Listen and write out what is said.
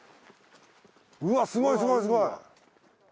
うわすごいすごいすごい！